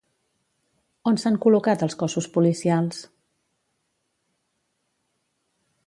On s'han col·locat els cossos policials?